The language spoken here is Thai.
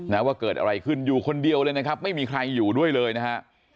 ว่าเกิดอะไรขึ้นอยู่คนเดียวเลยนะครับไม่มีใครอยู่ด้วยเลยนะฮะ